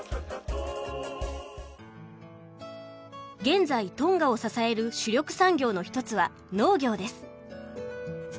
現在トンガを支える主力産業の１つは農業です。